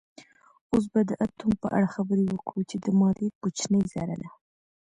اوس به د اتوم په اړه خبرې وکړو چې د مادې کوچنۍ ذره ده